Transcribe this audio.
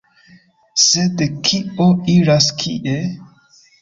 Sed kio iras kie?